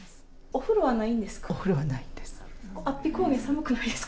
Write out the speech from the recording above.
お風呂はないです。